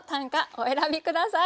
お選び下さい。